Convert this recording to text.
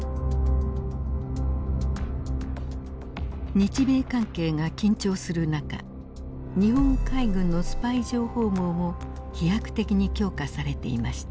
日米関係が緊張する中日本海軍のスパイ情報網も飛躍的に強化されていました。